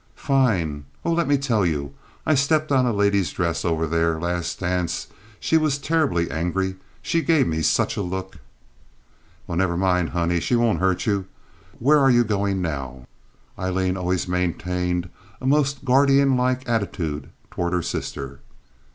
"Fine. Oh, let me tell you. I stepped on a lady's dress over there, last dance. She was terribly angry. She gave me such a look." "Well, never mind, honey. She won't hurt you. Where are you going now?" Aileen always maintained a most guardian like attitude toward her sister.